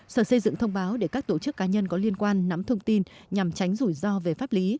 sở xây dựng thông báo để các tổ chức cá nhân có liên quan nắm thông tin nhằm tránh rủi ro về pháp lý